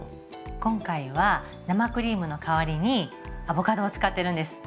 今回は生クリームの代わりにアボカドを使ってるんです。